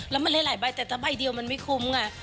แล้วมันหลายใบแต่ถ้าใบเดียวมันไม่คุ้มไง